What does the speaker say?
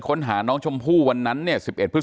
ค้นหาน้องชมพู่วันนั้นเนี่ย๑๑พฤษ